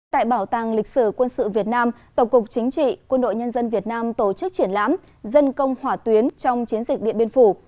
tại bảo tàng lịch sử quân sự việt nam tổng cục chính trị quân đội nhân dân việt nam tổ chức triển lãm dân công hỏa tuyến trong chiến dịch điện biên phủ